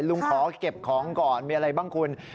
ลุงขอเก็บของก่อนมีอะไรบ้างคุณ